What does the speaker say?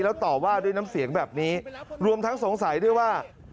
แล้วต่อว่าด้วยน้ำเสียงแบบนี้รวมทั้งสงสัยด้วยว่า